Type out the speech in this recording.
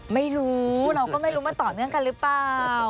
ไม่รู้เราก็ไม่รู้มันต่อเนื่องกันหรือเปล่า